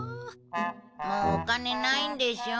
もうお金ないんでしょ？